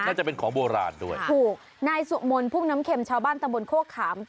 น่าจะเป็นของโบราณด้วยถูกนายสุมนต์พุ่งน้ำเข็มชาวบ้านตะบนโคกขาม